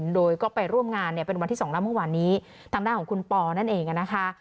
โดยก็ไปร่วมงานเนี่ยเป็นวันที่สองแล้วเมื่อวานนี้ทางด้านของคุณปอนั่นเองนะคะ